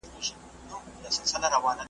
آیا ټولنيز نهادونه ثابت دي؟